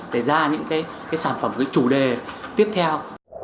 để ra những cái sản phẩm những cái chủ đề tiếp theo